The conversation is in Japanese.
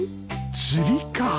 釣りか。